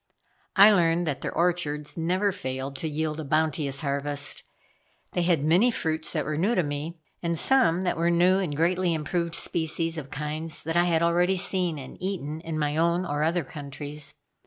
I learned that their orchards never failed to yield a bounteous harvest. They had many fruits that were new to me, and some that were new and greatly improved species of kinds that I had already seen and eaten in my own or other countries.